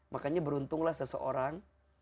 makanya beruntunglah seseorang